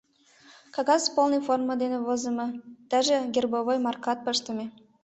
Кагаз полный формо дене возымо, даже гербовый маркат пыштыме.